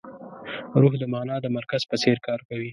روح د مانا د مرکز په څېر کار کوي.